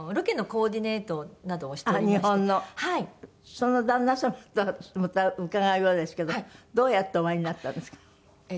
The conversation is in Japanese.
その旦那様とはまた伺うようですけどどうやってお会いになったんですか？